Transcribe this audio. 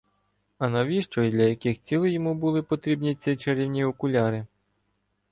А навіщо і для яких цілей йому були потрібні ці чарівні окуляри?